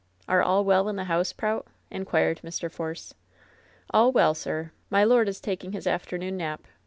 "Are all well in the house, Prout V^ inquired Mr. Force. "All well, sir. My lord is taking his afternoon nap.